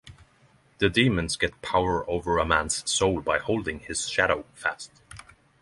The demons get power over a man's soul by holding his shadow fast.